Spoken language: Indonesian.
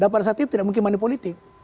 pada saat itu tidak mungkin money politics